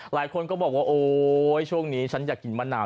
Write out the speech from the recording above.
หลายคนก็บอกว่าโอ๊ยช่วงนี้ฉันอยากกินมะนาว